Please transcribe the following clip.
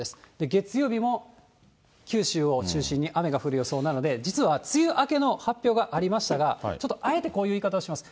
月曜日も九州を中心に雨が降る予想なので、実は梅雨明けの発表がありましたが、ちょっとあえてこういう言い方をします。